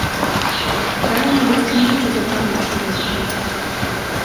Раю набыць кнігу чытачам нашай газеты.